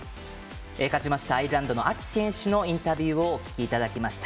勝ちましたアイルランドのアキ選手のインタビューをお聞きいただきました。